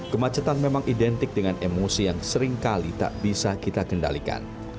kemacetan memang identik dengan emosi yang seringkali tak bisa kita kendalikan